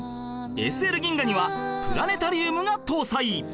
ＳＬ 銀河にはプラネタリウムが搭載